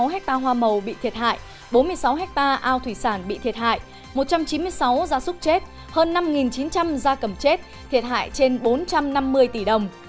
bốn trăm tám mươi sáu hecta hoa màu bị thiệt hại bốn mươi sáu hecta ao thủy sản bị thiệt hại một trăm chín mươi sáu gia súc chết hơn năm chín trăm linh gia cầm chết thiệt hại trên bốn trăm năm mươi tỷ đồng